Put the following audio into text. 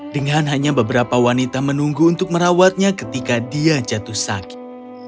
dengan hanya beberapa wanita menunggu untuk merawatnya ketika dia jatuh sakit